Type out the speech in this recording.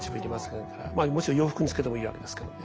もちろん洋服につけてもいいわけですけども。